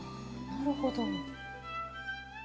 なるほど。